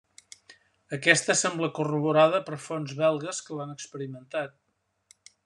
Aquesta sembla corroborada per fonts belgues que l'han experimentat.